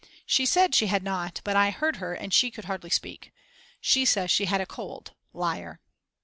She said she had not, but I heard her and she could hardly speak. She says she had a cold, liar.